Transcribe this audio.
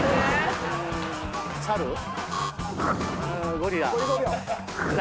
ゴリラ。